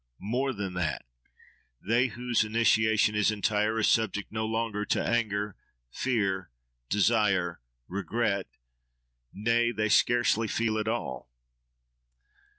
—More than that! They whose initiation is entire are subject no longer to anger, fear, desire, regret. Nay! They scarcely feel at all.